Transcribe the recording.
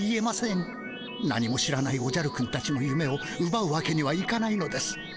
何も知らないおじゃるくんたちのゆめをうばうわけにはいかないのです。